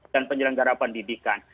dan penjelanggara pendidikan